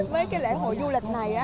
với cái lễ hội du lịch này